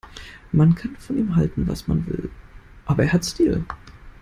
Man kann von ihm halten, was man will, aber er hat Stil.